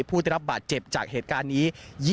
ผู้ที่จะรับบัตรเจ็บจากเห็นการนี้